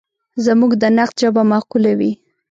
زموږ د نقد ژبه معقوله وي.